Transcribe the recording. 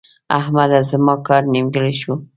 احمده! زما کار نیمګړی شو.